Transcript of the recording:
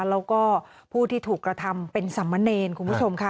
แล้วก็ผู้ที่ถูกกระทำเป็นสามเณรคุณผู้ชมค่ะ